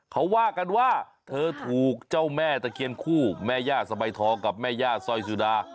เขาว่ากันว่าเธอถูกเจ้าแม่ตะเคียนคู่แม่ย่าสบายทองกับแม่ย่าซอยสุดา